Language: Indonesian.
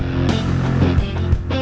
saya akan menemukan mereka